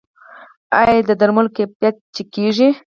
آیا د درملو کیفیت چک کیږي؟